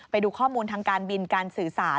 ไปดูข้อมูลทางการบินการสื่อสาร